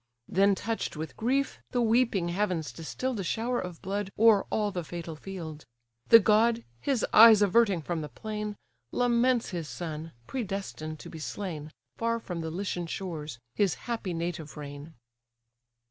Then touch'd with grief, the weeping heavens distill'd A shower of blood o'er all the fatal field: The god, his eyes averting from the plain, Laments his son, predestined to be slain, Far from the Lycian shores, his happy native reign.